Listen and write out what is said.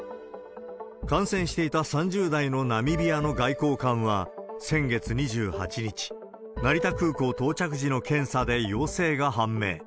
感染していた３０代のナミビアの外交官は先月２８日、成田空港到着時の検査で陽性が判明。